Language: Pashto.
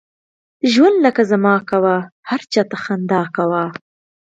ژوند لکه زما کوه ، هر چاته خنده کوه!